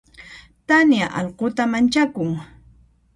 Tania allquta manchakun.